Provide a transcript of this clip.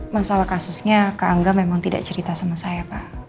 masalah kasusnya kak angga memang tidak cerita sama saya pak